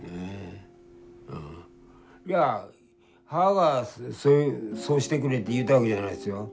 いや母がそうしてくれと言うたわけじゃないですよ。